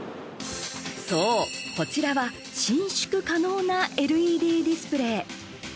そう、こちらは伸縮可能なＬＥＤディスプレー。